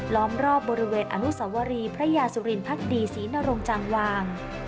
ล้อมรอบบริเวณอนุสวรีพระยาสุรินพักดีศรีนรงจังวาง